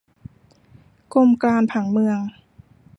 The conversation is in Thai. กรมการผังเมือง